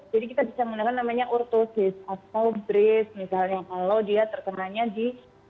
jadi kita bisa menggunakan namanya orthosis atau brace misalnya kalau dia terkenanya di